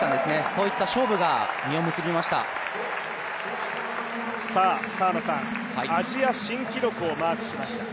そういった勝負が実を結びました。